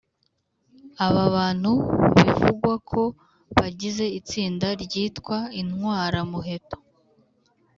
Aba bantu bivugwa ko bagize itsinda ryitwa Intwaramuheto